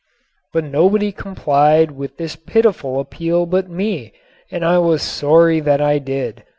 But nobody complied with this pitiful appeal but me and I was sorry that I did.